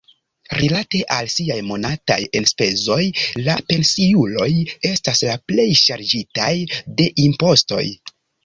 Rilate al siaj monataj enspezoj, la pensiuloj estas la plej ŝarĝitaj de impostoj.